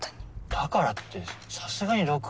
だからってさすがに毒は。